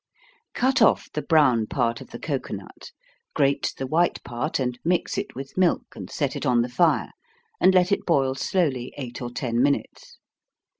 _ Cut off the brown part of the cocoanut grate the white part, and mix it with milk, and set it on the fire, and let it boil slowly eight or ten minutes.